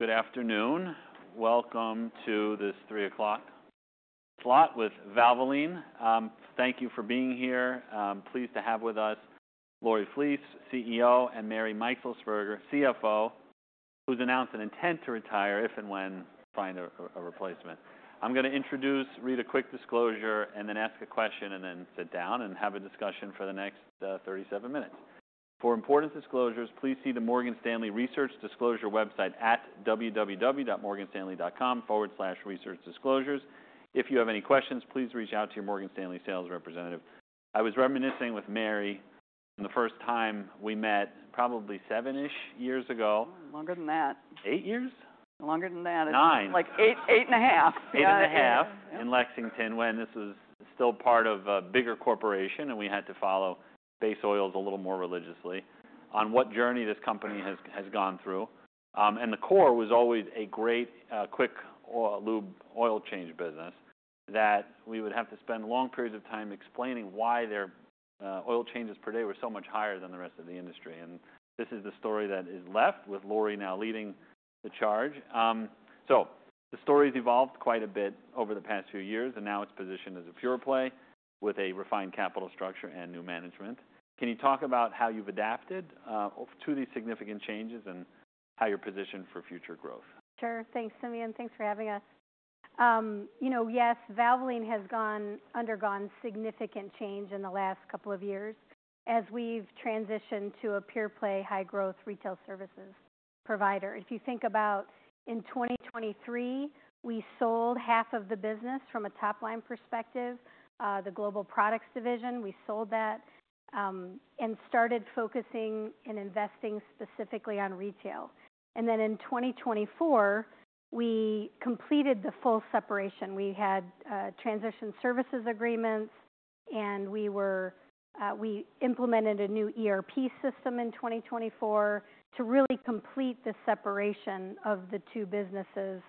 Good afternoon. Welcome to this 3:00 P.M. slot with Valvoline. Thank you for being here. Pleased to have with us Lori Flees, CEO, and Mary Meixelsperger, CFO, who's announced an intent to retire if and when find a, a replacement. I'm gonna introduce, read a quick disclosure, and then ask a question, and then sit down and have a discussion for the next, 37 minutes. For important disclosures, please see the Morgan Stanley Research Disclosure website at www.morganstanley.com/researchdisclosures. If you have any questions, please reach out to your Morgan Stanley sales representative. I was reminiscing with Mary the first time we met, probably seven-ish years ago. Longer than that. Eight years? Longer than that. Nine. Like eight, eight and a half. Eight and a half in Lexington when this was still part of a bigger corporation, and we had to follow base oils a little more religiously on what journey this company has gone through, and the core was always a great quick lube oil change business that we would have to spend long periods of time explaining why their oil changes per day were so much higher than the rest of the industry. And this is the story that is left with Lori now leading the charge, so the story's evolved quite a bit over the past few years, and now it's positioned as a pure play with a refined capital structure and new management. Can you talk about how you've adapted to these significant changes and how you're positioned for future growth? Sure. Thanks, Simeon. Thanks for having us. You know, yes, Valvoline has undergone significant change in the last couple of years as we've transitioned to a pure play, high-growth retail services provider. If you think about in 2023, we sold half of the business from a top-line perspective. The global products division, we sold that, and started focusing and investing specifically on retail. And then in 2024, we completed the full separation. We had transition services agreements, and we implemented a new ERP system in 2024 to really complete the separation of the two businesses,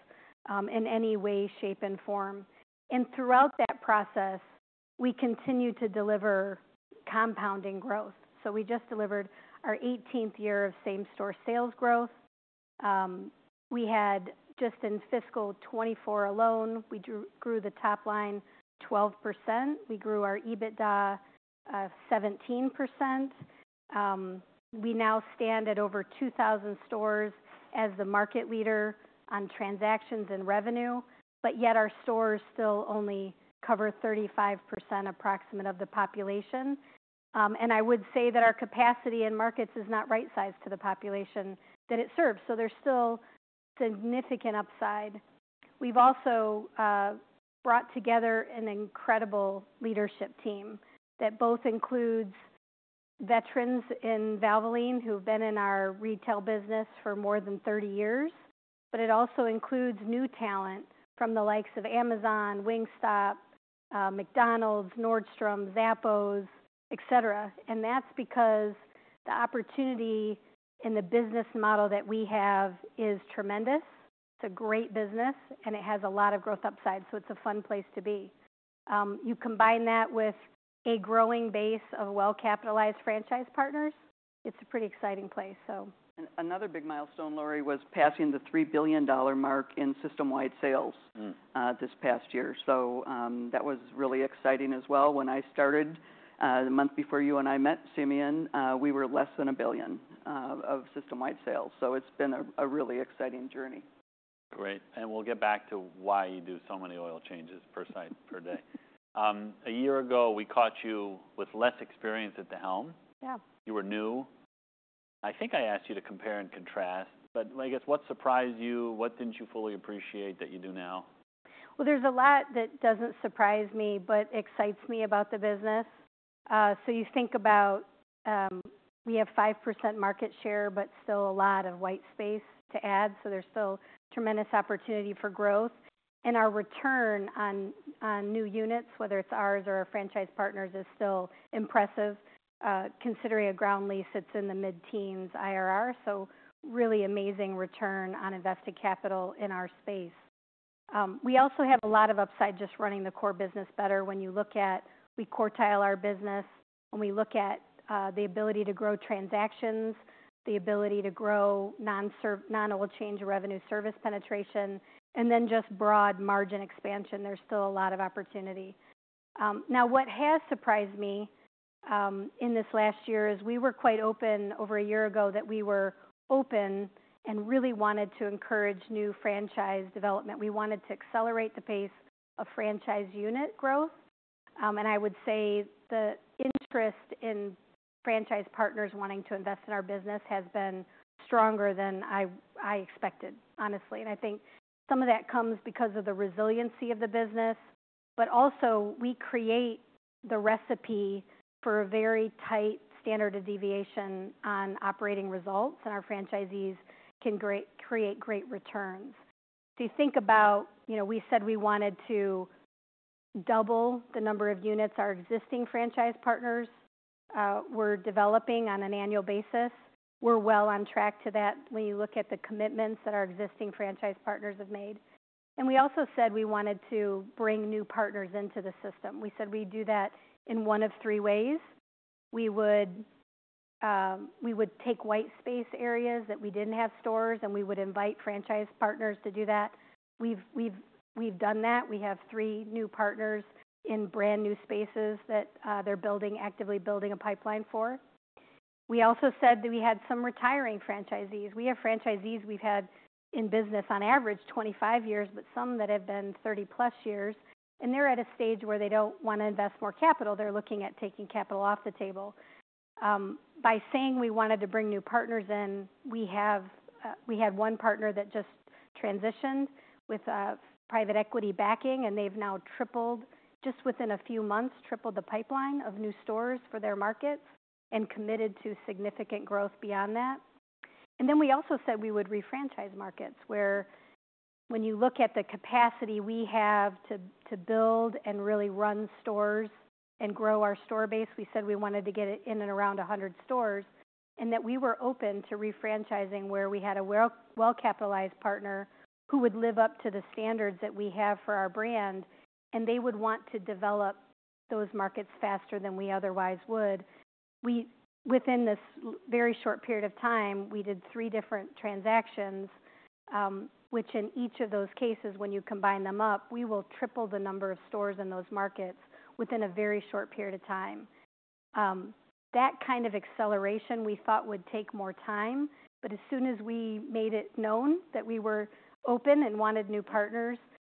in any way, shape, and form. And throughout that process, we continue to deliver compounding growth. So we just delivered our 18th year of same-store sales growth. We had just in fiscal 2024 alone, we grew the top line 12%. We grew our EBITDA 17%. We now stand at over 2,000 stores as the market leader on transactions and revenue, but yet our stores still only cover approximately 35% of the population, and I would say that our capacity in markets is not right-sized to the population that it serves, so there's still significant upside. We've also brought together an incredible leadership team that both includes veterans in Valvoline who've been in our retail business for more than 30 years, but it also includes new talent from the likes of Amazon, Wingstop, McDonald's, Nordstrom, Zappos, etc., and that's because the opportunity in the business model that we have is tremendous. It's a great business, and it has a lot of growth upside, so it's a fun place to be. You combine that with a growing base of well-capitalized franchise partners, it's a pretty exciting place, so. Another big milestone, Lori, was passing the $3 billion mark in system-wide sales. Mm-hmm. This past year. So, that was really exciting as well. When I started, the month before you and I met, Simeon, we were less than a billion of system-wide sales. So it's been a really exciting journey. Great, and we'll get back to why you do so many oil changes per site per day. A year ago, we caught you with less experience at the helm. Yeah. You were new. I think I asked you to compare and contrast, but I guess what surprised you? What didn't you fully appreciate that you do now? There's a lot that doesn't surprise me but excites me about the business. You think about, we have 5% market share, but still a lot of white space to add. There's still tremendous opportunity for growth. Our return on new units, whether it's ours or our franchise partners, is still impressive, considering a ground lease that's in the mid-teens IRR. Really amazing return on invested capital in our space. We also have a lot of upside just running the core business better. When you look at we quartile our business, when we look at the ability to grow transactions, the ability to grow non-service non-oil change revenue service penetration, and then just broad margin expansion, there's still a lot of opportunity. Now, what has surprised me in this last year is we were quite open over a year ago that we were open and really wanted to encourage new franchise development. We wanted to accelerate the pace of franchise unit growth, and I would say the interest in franchise partners wanting to invest in our business has been stronger than I, I expected, honestly, and I think some of that comes because of the resiliency of the business, but also we create the recipe for a very tight standard deviation on operating results, and our franchisees can create great returns, so you think about, you know, we said we wanted to double the number of units. Our existing franchise partners, we're developing on an annual basis. We're well on track to that when you look at the commitments that our existing franchise partners have made. We also said we wanted to bring new partners into the system. We said we'd do that in one of three ways. We would take white space areas that we didn't have stores, and we would invite franchise partners to do that. We've done that. We have three new partners in brand new spaces that they're actively building a pipeline for. We also said that we had some retiring franchisees. We have franchisees we've had in business on average 25 years, but some that have been 30-plus years, and they're at a stage where they don't wanna invest more capital. They're looking at taking capital off the table. By saying we wanted to bring new partners in, we have. We had one partner that just transitioned with private equity backing, and they've now tripled just within a few months, tripled the pipeline of new stores for their markets and committed to significant growth beyond that. And then we also said we would refranchise markets where, when you look at the capacity we have to build and really run stores and grow our store base, we said we wanted to get it in and around 100 stores and that we were open to refranchising where we had a well-capitalized partner who would live up to the standards that we have for our brand, and they would want to develop those markets faster than we otherwise would. We, within this very short period of time, we did three different transactions, which in each of those cases, when you combine them up, we will triple the number of stores in those markets within a very short period of time. That kind of acceleration we thought would take more time, but as soon as we made it known that we were open and wanted new partners,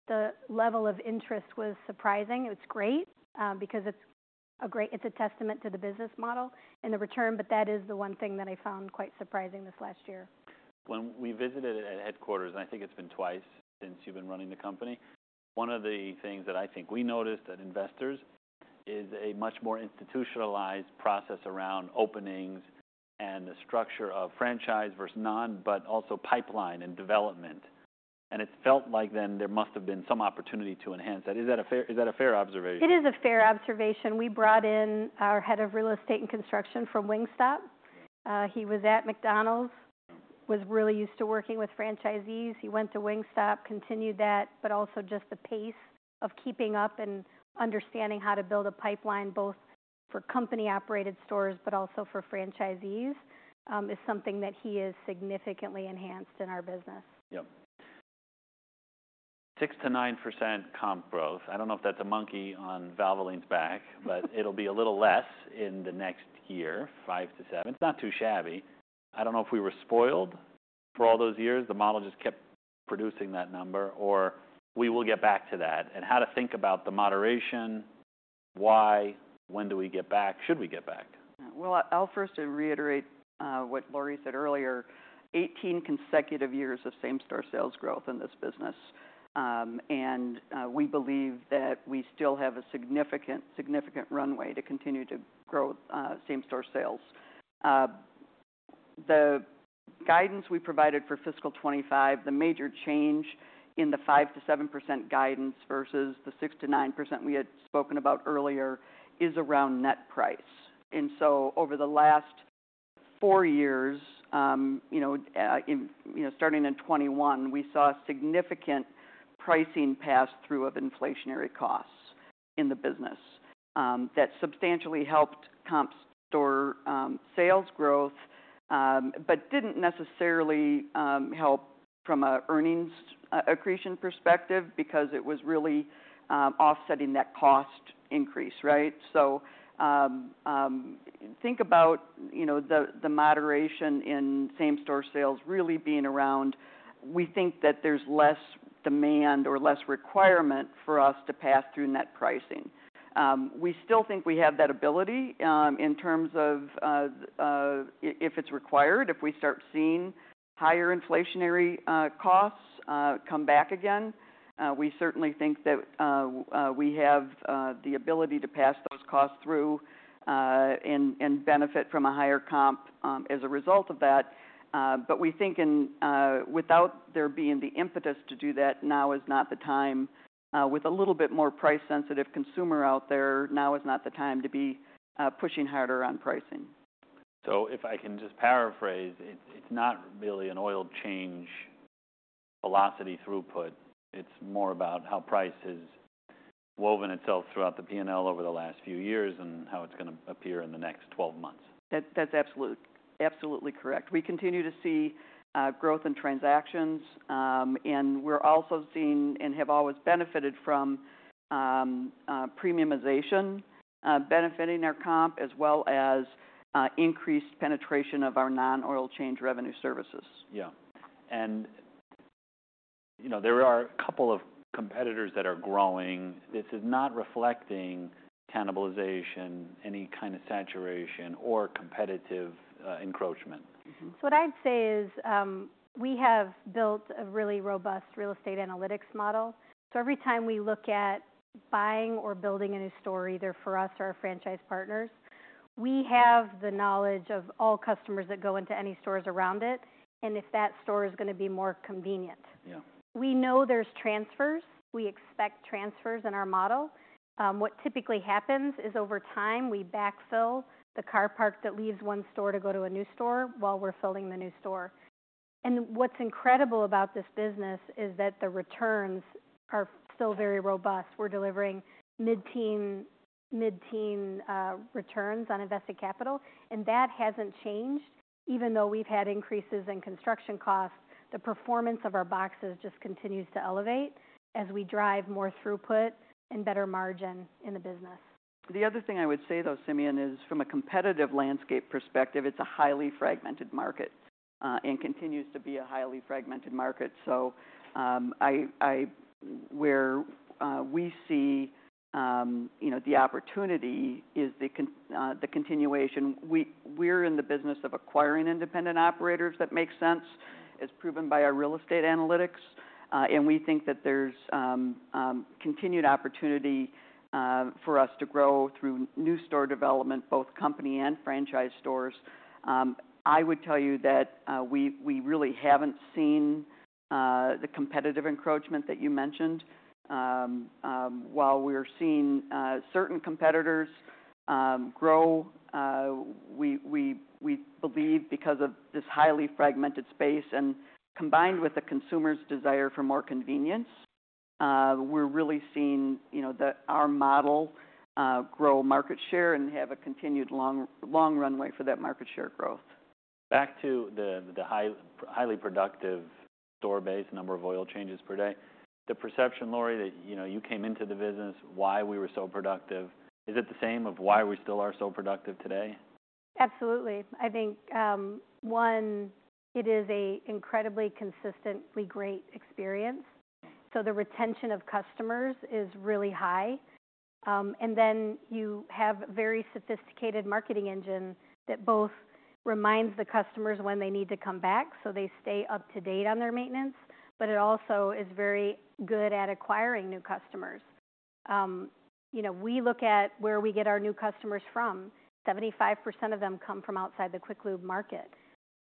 the level of interest was surprising. It was great, because it's a great testament to the business model and the return. That is the one thing that I found quite surprising this last year. When we visited it at headquarters, and I think it's been twice since you've been running the company, one of the things that I think we noticed that investors is a much more institutionalized process around openings and the structure of franchise versus non, but also pipeline and development. And it felt like then there must have been some opportunity to enhance that. Is that a fair observation? It is a fair observation. We brought in our head of real estate and construction from Wingstop. he was at McDonald's, was really used to working with franchisees. He went to Wingstop, continued that, but also just the pace of keeping up and understanding how to build a pipeline both for company-operated stores but also for franchisees, is something that he has significantly enhanced in our business. Yep. 6%-9% comp growth. I don't know if that's a monkey on Valvoline's back, but it'll be a little less in the next year, 5%-7%. It's not too shabby. I don't know if we were spoiled for all those years. The model just kept producing that number, or we will get back to that. And how to think about the moderation, why, when do we get back, should we get back? Well, I'll first reiterate what Lori said earlier, 18 consecutive years of same-store sales growth in this business. And we believe that we still have a significant, significant runway to continue to grow same-store sales. The guidance we provided for fiscal 2025, the major change in the 5%-7% guidance versus the 6%-9% we had spoken about earlier is around net price. And so over the last four years, you know, in, you know, starting in 2021, we saw significant pricing pass-through of inflationary costs in the business, that substantially helped comp store sales growth, but didn't necessarily help from an earnings accretion perspective because it was really offsetting that cost increase, right? So, think about, you know, the, the moderation in same-store sales really being around, we think that there's less demand or less requirement for us to pass through net pricing. We still think we have that ability, in terms of if it's required, if we start seeing higher inflationary costs come back again. We certainly think that we have the ability to pass those costs through and benefit from a higher comp as a result of that. But we think in without there being the impetus to do that, now is not the time, with a little bit more price-sensitive consumer out there. Now is not the time to be pushing harder on pricing. So if I can just paraphrase, it's, it's not really an oil change velocity throughput. It's more about how price has woven itself throughout the P&L over the last few years and how it's gonna appear in the next 12 months. That's absolutely correct. We continue to see growth in transactions, and we're also seeing and have always benefited from premiumization, benefiting our comp as well as increased penetration of our non-oil change revenue services. Yeah, and you know, there are a couple of competitors that are growing. This is not reflecting cannibalization, any kind of saturation, or competitive encroachment. Mm-hmm. So what I'd say is, we have built a really robust real estate analytics model. So every time we look at buying or building a new store, either for us or our franchise partners, we have the knowledge of all customers that go into any stores around it and if that store is gonna be more convenient. Yeah. We know there's transfers. We expect transfers in our model. What typically happens is over time we backfill the car park that leaves one store to go to a new store while we're filling the new store. And what's incredible about this business is that the returns are still very robust. We're delivering mid-teen, mid-teen, returns on invested capital, and that hasn't changed. Even though we've had increases in construction costs, the performance of our boxes just continues to elevate as we drive more throughput and better margin in the business. The other thing I would say though, Simeon, is from a competitive landscape perspective, it's a highly fragmented market, and continues to be a highly fragmented market. So, where we see, you know, the opportunity is the continuation. We're in the business of acquiring independent operators that makes sense, as proven by our real estate analytics, and we think that there's continued opportunity for us to grow through new store development, both company and franchise stores. I would tell you that we really haven't seen the competitive encroachment that you mentioned. While we're seeing certain competitors grow, we believe because of this highly fragmented space and combined with the consumer's desire for more convenience, we're really seeing, you know, that our model grow market share and have a continued long runway for that market share growth. Back to the highly productive store base, number of oil changes per day. The perception, Lori, that, you know, you came into the business, why we were so productive, is it the same as why we still are so productive today? Absolutely. I think, one, it is an incredibly consistently great experience. So the retention of customers is really high. And then you have a very sophisticated marketing engine that both reminds the customers when they need to come back so they stay up to date on their maintenance, but it also is very good at acquiring new customers. You know, we look at where we get our new customers from. 75% of them come from outside the Quick Lube market.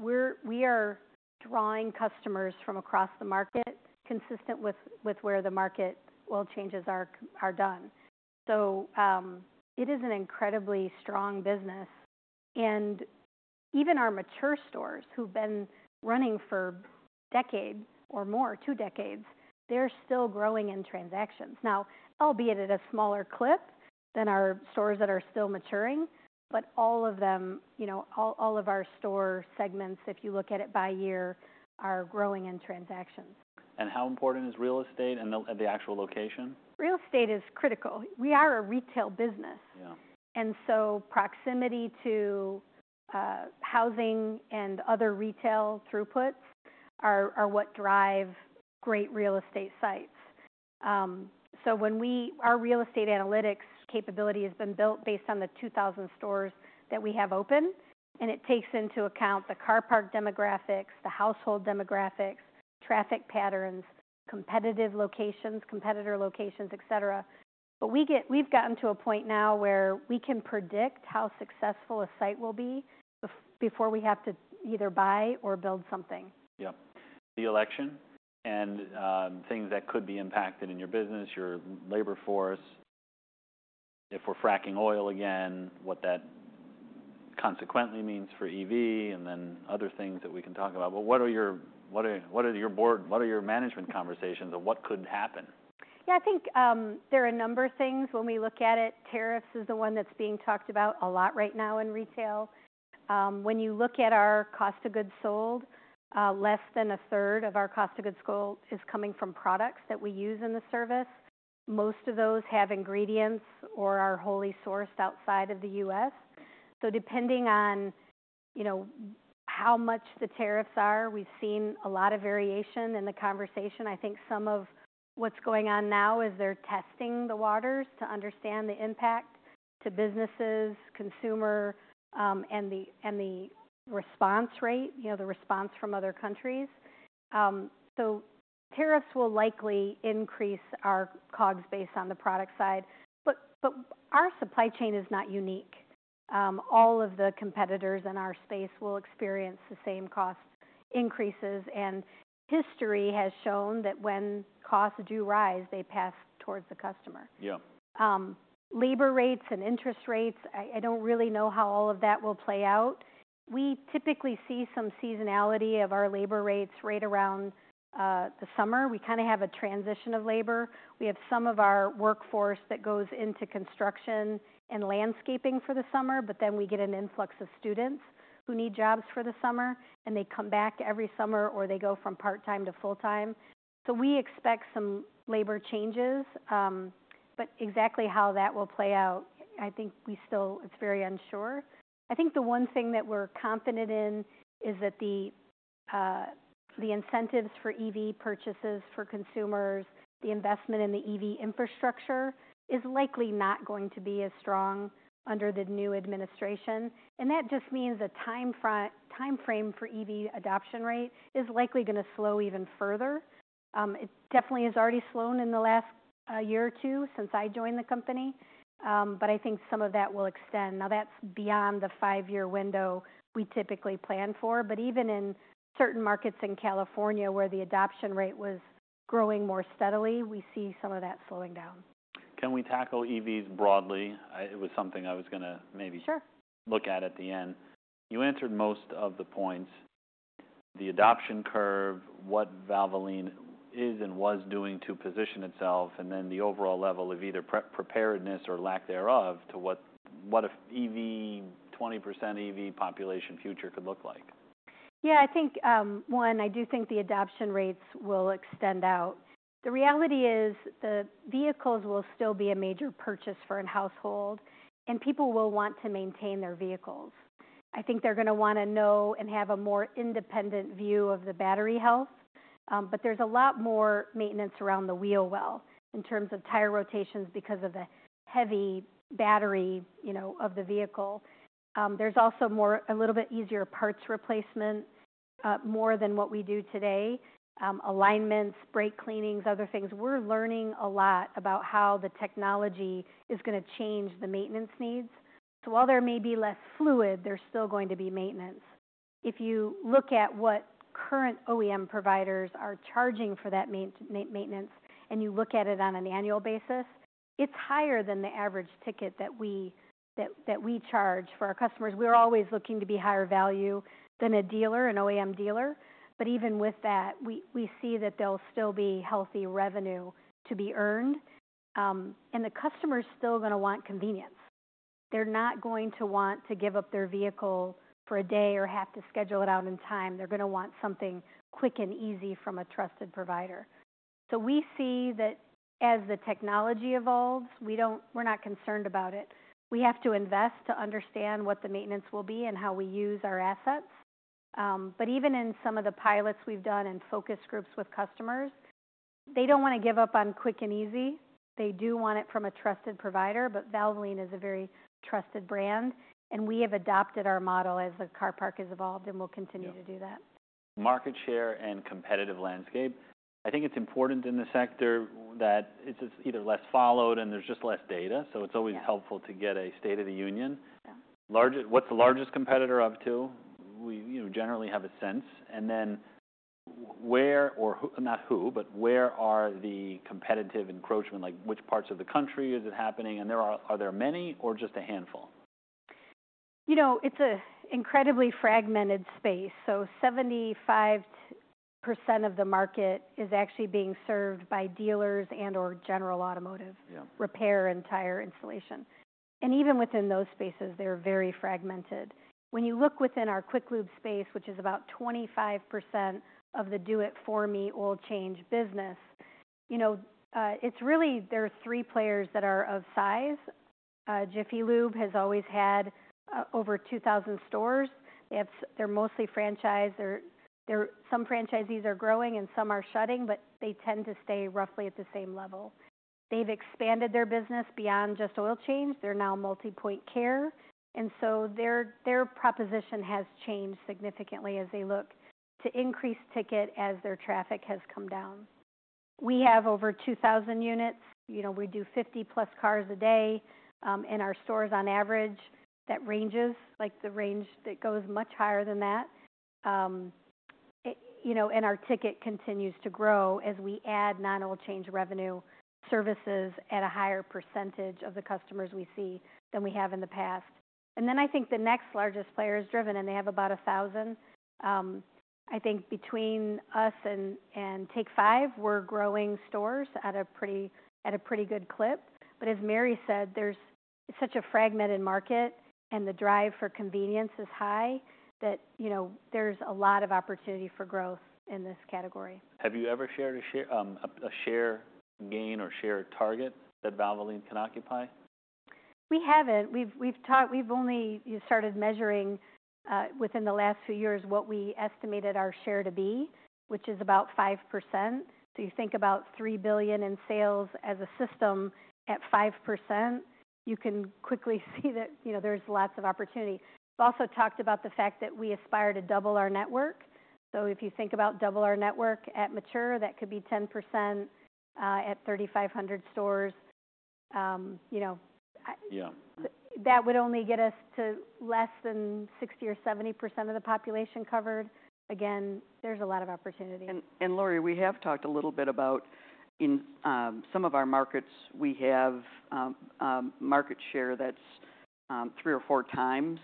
We're drawing customers from across the market consistent with where the market oil changes are done. So, it is an incredibly strong business. And even our mature stores who've been running for a decade or more, two decades, they're still growing in transactions. Now, albeit at a smaller clip than our stores that are still maturing, but all of them, you know, all of our store segments, if you look at it by year, are growing in transactions. How important is real estate and the actual location? Real estate is critical. We are a retail business. Yeah. And so proximity to housing and other retail throughputs are what drive great real estate sites. So when our real estate analytics capability has been built based on the 2,000 stores that we have open, and it takes into account the car park demographics, the household demographics, traffic patterns, competitive locations, competitor locations, et cetera. But we've gotten to a point now where we can predict how successful a site will be before we have to either buy or build something. Yep. The election and things that could be impacted in your business, your labor force, if we're fracking oil again, what that consequently means for EV, and then other things that we can talk about. But what are your board and management conversations of what could happen? Yeah, I think, there are a number of things when we look at it. Tariffs is the one that's being talked about a lot right now in retail. When you look at our cost of goods sold, less than a third of our cost of goods sold is coming from products that we use in the service. Most of those have ingredients or are wholly sourced outside of the U.S. So depending on, you know, how much the tariffs are, we've seen a lot of variation in the conversation. I think some of what's going on now is they're testing the waters to understand the impact to businesses, consumer, and the response rate, you know, the response from other countries. So tariffs will likely increase our COGS based on the product side, but, but our supply chain is not unique. All of the competitors in our space will experience the same cost increases, and history has shown that when costs do rise, they pass towards the customer. Yeah. labor rates and interest rates, I don't really know how all of that will play out. We typically see some seasonality of our labor rates right around the summer. We kinda have a transition of labor. We have some of our workforce that goes into construction and landscaping for the summer, but then we get an influx of students who need jobs for the summer, and they come back every summer or they go from part-time to full-time. So we expect some labor changes, but exactly how that will play out, I think we still it's very unsure. I think the one thing that we're confident in is that the incentives for EV purchases for consumers, the investment in the EV infrastructure is likely not going to be as strong under the new administration. And that just means the timeframe for EV adoption rate is likely gonna slow even further. It definitely has already slowed in the last year or two since I joined the company. But I think some of that will extend. Now, that's beyond the five-year window we typically plan for, but even in certain markets in California where the adoption rate was growing more steadily, we see some of that slowing down. Can we tackle EVs broadly? It was something I was gonna maybe. Sure. Look at the end. You answered most of the points. The adoption curve, what Valvoline is and was doing to position itself, and then the overall level of either pre-preparedness or lack thereof to what an EV 20% EV population future could look like. Yeah, I think, one, I do think the adoption rates will extend out. The reality is the vehicles will still be a major purchase for a household, and people will want to maintain their vehicles. I think they're gonna wanna know and have a more independent view of the battery health. But there's a lot more maintenance around the wheel well in terms of tire rotations because of the heavy battery, you know, of the vehicle. There's also more a little bit easier parts replacement, more than what we do today. Alignments, brake cleanings, other things. We're learning a lot about how the technology is gonna change the maintenance needs. So while there may be less fluid, there's still going to be maintenance. If you look at what current OEM providers are charging for that maintenance and you look at it on an annual basis, it's higher than the average ticket that we charge for our customers. We're always looking to be higher value than a dealer, an OEM dealer, but even with that, we see that there'll still be healthy revenue to be earned, and the customer is still gonna want convenience. They're not going to want to give up their vehicle for a day or have to schedule it out in time. They're gonna want something quick and easy from a trusted provider, so we see that as the technology evolves, we're not concerned about it. We have to invest to understand what the maintenance will be and how we use our assets. but even in some of the pilots we've done and focus groups with customers, they don't wanna give up on quick and easy. They do want it from a trusted provider, but Valvoline is a very trusted brand, and we have adopted our model as the car park has evolved and will continue to do that. Market share and competitive landscape. I think it's important in the sector that it's just either less followed and there's just less data. So it's always helpful to get a state of the union. Yeah. Lori, what's the largest competitor up to? We, you know, generally have a sense. And then where or who not who, but where are the competitive encroachment? Like, which parts of the country is it happening? And are there many or just a handful? You know, it's an incredibly fragmented space, so 75% of the market is actually being served by dealers and/or general automotive. Yeah. Repair and tire installation. And even within those spaces, they're very fragmented. When you look within our Quick Lube space, which is about 25% of the do-it-for-me oil change business, you know, it's really there are three players that are of size. Jiffy Lube has always had over 2,000 stores. They have they're mostly franchised. They're some franchisees are growing and some are shutting, but they tend to stay roughly at the same level. They've expanded their business beyond just oil change. They're now multi-point care. And so their proposition has changed significantly as they look to increase ticket as their traffic has come down. We have over 2,000 units. You know, we do 50-plus cars a day in our stores on average. That ranges, like, the range that goes much higher than that. You know, and our ticket continues to grow as we add non-oil change revenue services at a higher percentage of the customers we see than we have in the past. And then I think the next largest player is Driven, and they have about 1,000. I think between us and Take 5, we're growing stores at a pretty good clip. But as Mary said, there's, it's such a fragmented market, and the drive for convenience is high, that you know, there's a lot of opportunity for growth in this category. Have you ever shared a share gain or share target that Valvoline can occupy? We haven't. We've only started measuring, within the last few years, what we estimated our share to be, which is about 5%. So you think about $3 billion in sales as a system at 5%, you can quickly see that, you know, there's lots of opportunity. We've also talked about the fact that we aspire to double our network. So if you think about double our network at mature, that could be 10%, at 3,500 stores. You know, I. Yeah. That would only get us to less than 60% or 70% of the population covered. Again, there's a lot of opportunity. Lori, we have talked a little bit about, in some of our markets, we have market share that's three or four times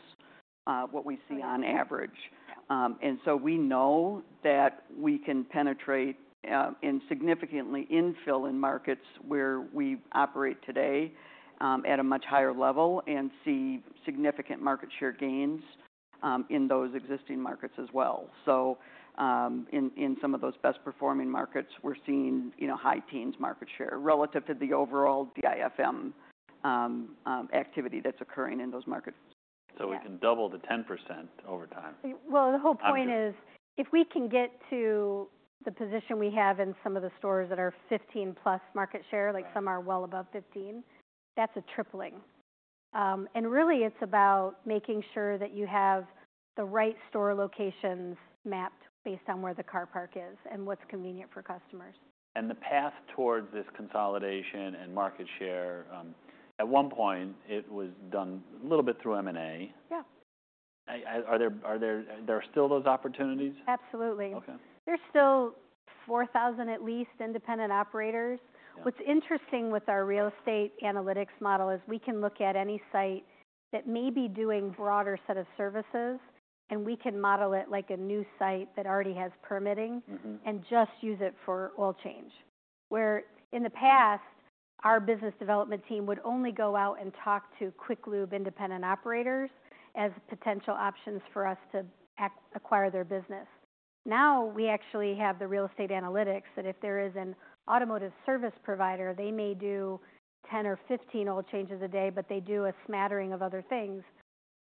what we see on average. And so we know that we can penetrate, and significantly infill in markets where we operate today, at a much higher level and see significant market share gains, in those existing markets as well. So, in some of those best-performing markets, we're seeing, you know, high teens market share relative to the overall DIFM activity that's occurring in those markets. We can double to 10% over time. Well, the whole point is. If we can get to the position we have in some of the stores that are 15-plus market share, like some are well above 15, that's a tripling, and really, it's about making sure that you have the right store locations mapped based on where the car park is and what's convenient for customers. The path towards this consolidation and market share, at one point, it was done a little bit through M&A. Yeah. Are there still those opportunities? Absolutely. Okay. There's still 4,000 at least independent operators. What's interesting with our real estate analytics model is we can look at any site that may be doing a broader set of services, and we can model it like a new site that already has permitting. Just use it for oil change. Where in the past, our business development team would only go out and talk to quick lube independent operators as potential options for us to acquire their business. Now, we actually have the real estate analytics that if there is an automotive service provider, they may do 10 or 15 oil changes a day, but they do a smattering of other things.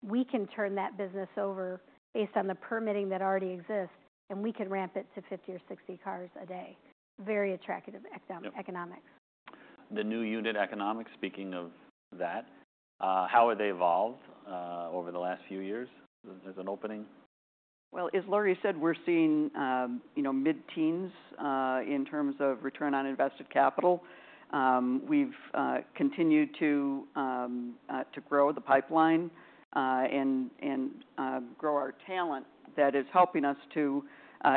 We can turn that business over based on the permitting that already exists, and we can ramp it to 50 or 60 cars a day. Very attractive economics. The new unit economics, speaking of that, how have they evolved over the last few years as an opening? As Lori said, we're seeing, you know, mid-teens, in terms of return on invested capital. We've continued to grow the pipeline, and grow our talent that is helping us to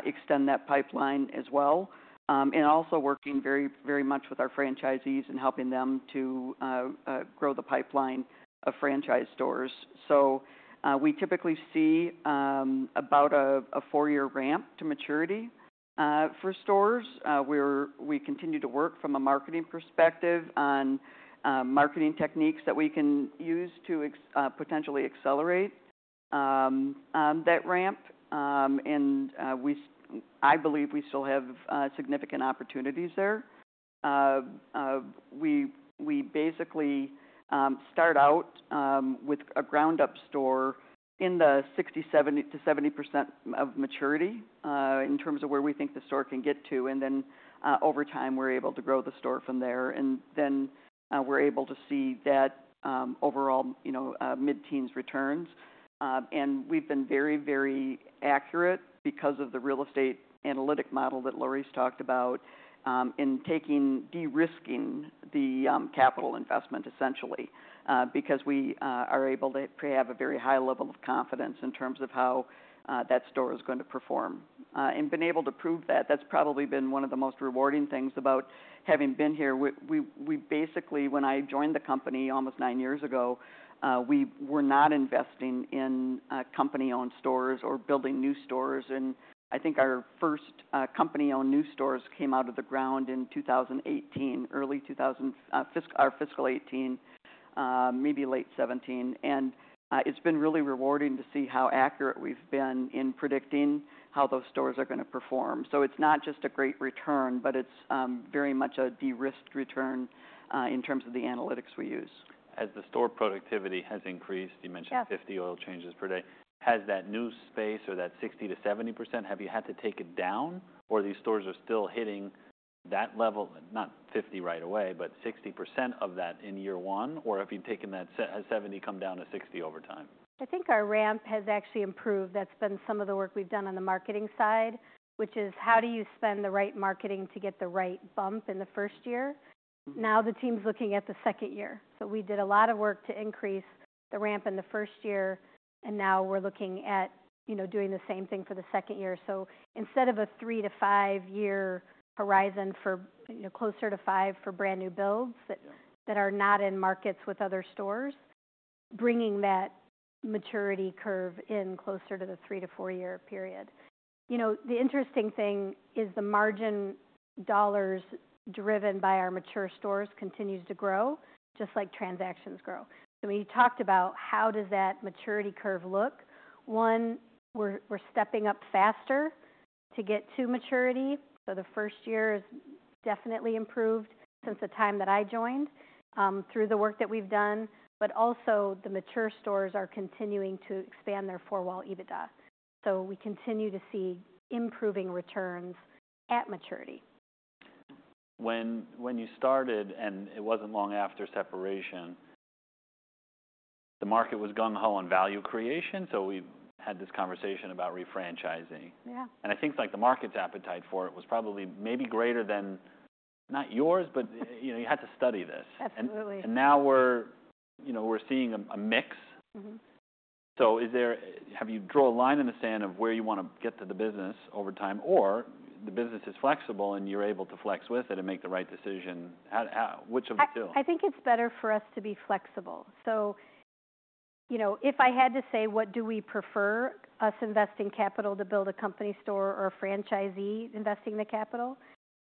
extend that pipeline as well. And also working very, very much with our franchisees and helping them to grow the pipeline of franchise stores. So, we typically see about a four-year ramp to maturity for stores. We continue to work from a marketing perspective on marketing techniques that we can use to potentially accelerate that ramp. And I believe we still have significant opportunities there. We basically start out with a ground-up store in the 60-70% of maturity, in terms of where we think the store can get to. And then, over time, we're able to grow the store from there. And then, we're able to see that, overall, you know, mid-teens returns. And we've been very, very accurate because of the real estate analytic model that Lori's talked about, in taking de-risking the capital investment essentially, because we are able to have a very high level of confidence in terms of how that store is gonna perform. And we've been able to prove that. That's probably been one of the most rewarding things about having been here. We basically, when I joined the company almost nine years ago, we were not investing in company-owned stores or building new stores. And I think our first company-owned new stores came out of the ground in 2018, early 2018, fiscal 2018, maybe late 2017. And it's been really rewarding to see how accurate we've been in predicting how those stores are gonna perform. So it's not just a great return, but it's very much a de-risked return, in terms of the analytics we use. As the store productivity has increased. Yeah. You mentioned 50 oil changes per day. Has that new space or that 60%-70%, have you had to take it down, or these stores are still hitting that level? Not 50 right away, but 60% of that in year one? Or have you taken that 60%-70% come down to 60 over time? I think our ramp has actually improved. That's been some of the work we've done on the marketing side, which is how do you spend the right marketing to get the right bump in the first year? Now, the team's looking at the second year. So we did a lot of work to increase the ramp in the first year, and now we're looking at, you know, doing the same thing for the second year. So instead of a three to five-year horizon for, you know, closer to five for brand new builds that. That are not in markets with other stores, bringing that maturity curve in closer to the three- to four-year period. You know, the interesting thing is the margin dollars driven by our mature stores continues to grow just like transactions grow. So when you talked about how does that maturity curve look, one, we're stepping up faster to get to maturity. So the first year has definitely improved since the time that I joined, through the work that we've done. But also, the mature stores are continuing to expand their four-wall EBITDA. So we continue to see improving returns at maturity. When you started, and it wasn't long after separation, the market was gung-ho on value creation. So we had this conversation about refranchising. Yeah. I think, like, the market's appetite for it was probably maybe greater than not yours, but, you know, you had to study this. Absolutely. Now we're, you know, we're seeing a mix. Mm-hmm. So, is there have you draw a line in the sand of where you wanna get to the business over time? Or the business is flexible, and you're able to flex with it and make the right decision. How, which of the two? I think it's better for us to be flexible. So, you know, if I had to say, "What do we prefer, us investing capital to build a company store or a franchisee investing the capital?"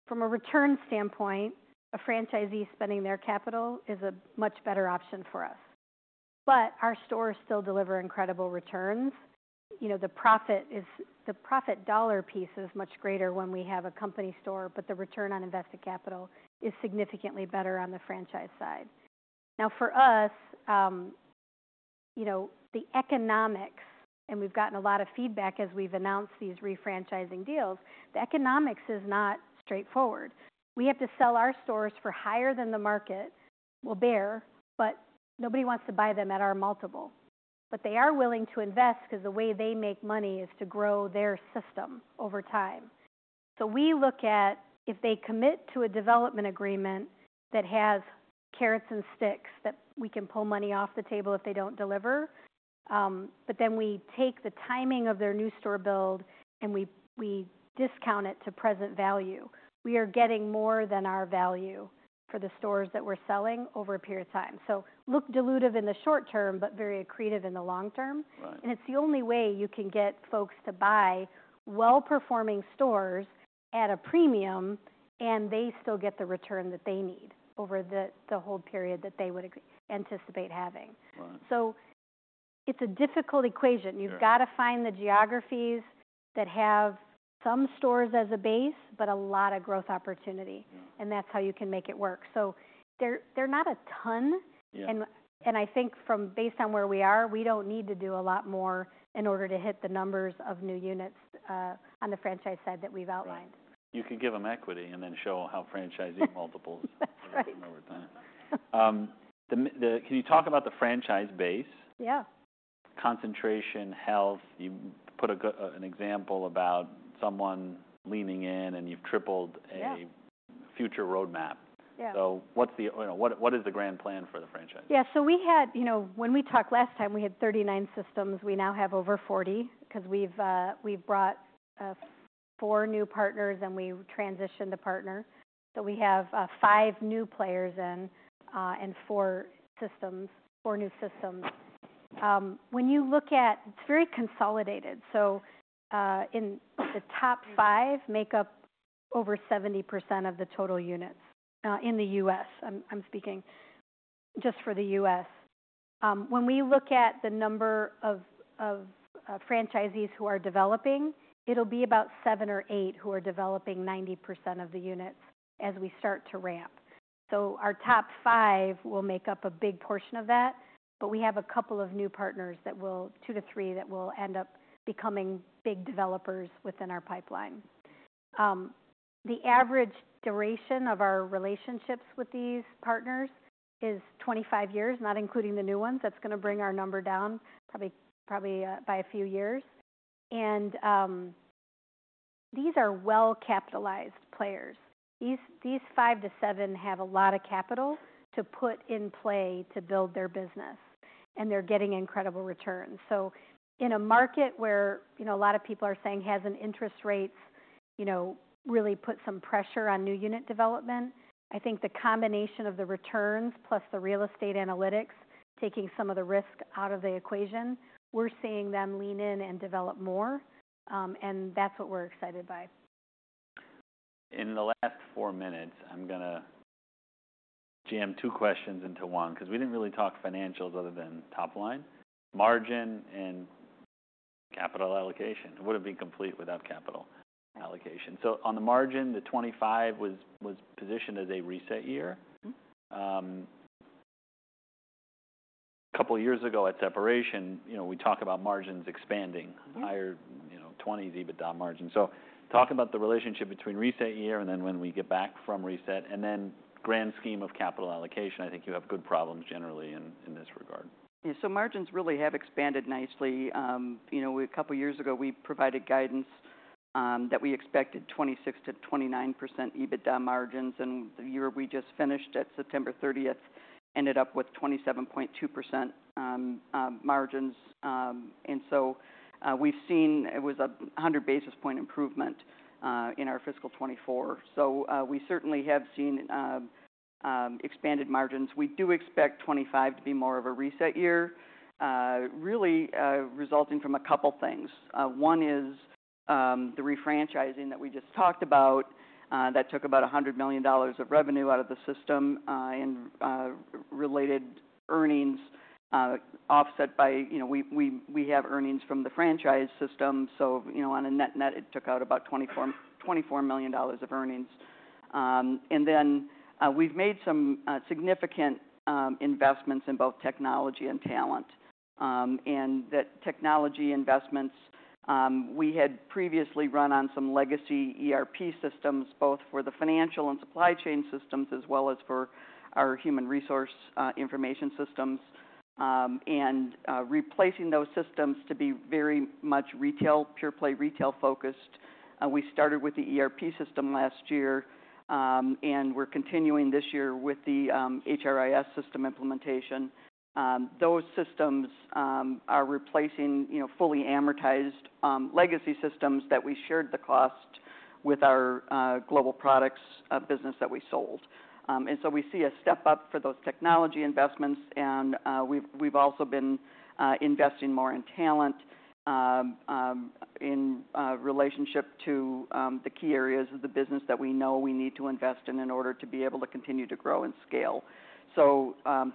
From a return standpoint, a franchisee spending their capital is a much better option for us. But our stores still deliver incredible returns. You know, the profit is the profit dollar piece is much greater when we have a company store, but the return on invested capital is significantly better on the franchise side. Now, for us, you know, the economics and we've gotten a lot of feedback as we've announced these refranchising deals. The economics is not straightforward. We have to sell our stores for higher than the market will bear, but nobody wants to buy them at our multiple. But they are willing to invest 'cause the way they make money is to grow their system over time. So we look at if they commit to a development agreement that has carrots and sticks that we can pull money off the table if they don't deliver. But then we take the timing of their new store build, and we discount it to present value. We are getting more than our value for the stores that we're selling over a period of time. So look dilutive in the short term, but very accretive in the long term. Right. It's the only way you can get folks to buy well-performing stores at a premium, and they still get the return that they need over the whole period that they would anticipate having. Right. It's a difficult equation. You've gotta find the geographies that have some stores as a base, but a lot of growth opportunity. Yeah. That's how you can make it work. They're not a ton. Yeah. I think, based on where we are, we don't need to do a lot more in order to hit the numbers of new units on the franchise side that we've outlined. Right. You can give them equity and then show how franchisee multiples are growing over time. Right. Can you talk about the franchise base? Yeah. Concentration health? You put a good example about someone leaning in, and you've tripled a. Yeah. Future roadmap. Yeah. So, what's the, you know, what is the grand plan for the franchise? Yeah. So, when we talked last time, we had 39 systems. We now have over 40 'cause we've brought four new partners, and we transitioned a partner. So we have five new players in and four systems, four new systems. When you look at it, it's very consolidated. So, in the top five make up over 70% of the total units in the US. I'm speaking just for the US. When we look at the number of franchisees who are developing, it'll be about seven or eight who are developing 90% of the units as we start to ramp. So our top five will make up a big portion of that, but we have a couple of new partners that will, two to three, that will end up becoming big developers within our pipeline. The average duration of our relationships with these partners is 25 years, not including the new ones. That's gonna bring our number down probably, probably, by a few years, and these are well-capitalized players. These, these five to seven have a lot of capital to put in play to build their business, and they're getting incredible returns. In a market where, you know, a lot of people are saying hasn't interest rates, you know, really put some pressure on new unit development, I think the combination of the returns plus the real estate analytics, taking some of the risk out of the equation, we're seeing them lean in and develop more, and that's what we're excited by. In the last four minutes, I'm gonna jam two questions into one 'cause we didn't really talk financials other than top line, margin, and capital allocation. It wouldn't be complete without capital allocation. So on the margin, the 25 was positioned as a reset year. Mm-hmm. A couple of years ago at separation, you know, we talk about margins expanding. Higher, you know, 20s EBITDA margin. So talking about the relationship between reset year and then when we get back from reset and then grand scheme of capital allocation, I think you have good problems generally in this regard. Yeah. So margins really have expanded nicely. You know, a couple of years ago, we provided guidance that we expected 26%-29% EBITDA margins. And the year we just finished at September 30th ended up with 27.2% margins. And so, we've seen it was a 100 basis point improvement in our fiscal 2024. So, we certainly have seen expanded margins. We do expect 2025 to be more of a reset year, really, resulting from a couple of things. One is the refranchising that we just talked about, that took about $100 million of revenue out of the system, and related earnings, offset by, you know, we have earnings from the franchise system. So, you know, on a net-net, it took out about $24 million of earnings. And then, we've made some significant investments in both technology and talent. And that technology investments we had previously run on some legacy ERP systems, both for the financial and supply chain systems as well as for our human resource information systems, and replacing those systems to be very much retail pure-play retail focused. We started with the ERP system last year, and we're continuing this year with the HRIS system implementation. Those systems are replacing you know fully amortized legacy systems that we shared the cost with our global products business that we sold, and so we see a step up for those technology investments, and we've also been investing more in talent in relationship to the key areas of the business that we know we need to invest in order to be able to continue to grow and scale.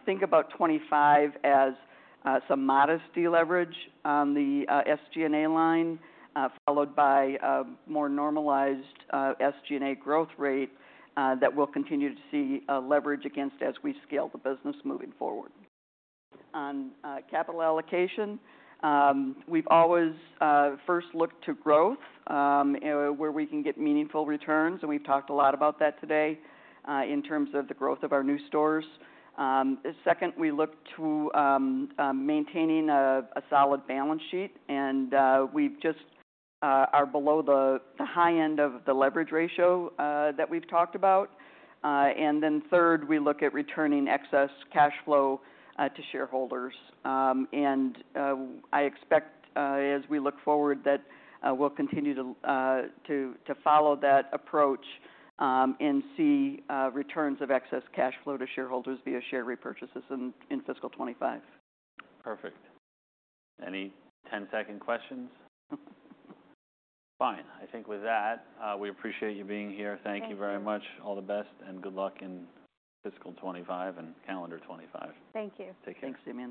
Think about 2025 as some modest de-leverage on the SG&A line, followed by more normalized SG&A growth rate that we'll continue to see leverage against as we scale the business moving forward. On capital allocation, we've always first looked to growth where we can get meaningful returns. We've talked a lot about that today in terms of the growth of our new stores. Second, we look to maintaining a solid balance sheet. We're just below the high end of the leverage ratio that we've talked about. Then third, we look at returning excess cash flow to shareholders. I expect as we look forward that we'll continue to follow that approach and see returns of excess cash flow to shareholders via share repurchases in fiscal 2025. Perfect. Any 10-second questions? Mm-mm. Fine. I think with that, we appreciate you being here. Thank you very much. Thank you. All the best and good luck in fiscal 2025 and calendar 2025. Thank you. Take care.